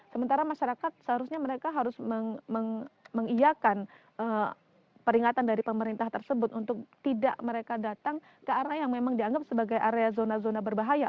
sementara masyarakat seharusnya mereka harus mengiakan peringatan dari pemerintah tersebut untuk tidak mereka datang ke arah yang memang dianggap sebagai area zona zona berbahaya